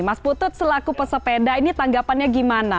mas putut selaku pesepeda ini tanggapannya gimana